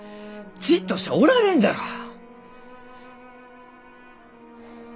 じっとしちゃおられんじゃろう？